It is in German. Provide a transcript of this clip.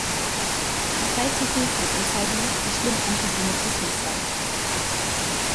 Er sei zu höflich und zeige nicht, wie schlimm Antisemitismus sei.